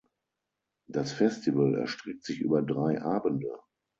Das Festival erstreckt sich über drei Abende.